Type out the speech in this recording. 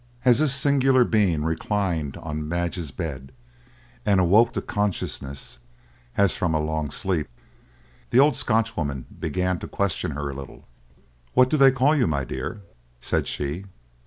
As this singular being reclined on Madge's bed and awoke to consciousness, as from a long sleep, the old Scotchwoman began to question her a little. "What do they call you, my dear?" said she.